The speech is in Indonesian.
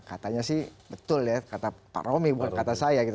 katanya sih betul ya kata pak romi bukan kata saya gitu